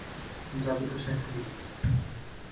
যাবি তো সেখানে?